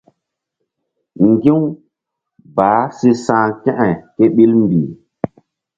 Ŋgi̧-u baah si sa̧h kȩke ke ɓil mbih.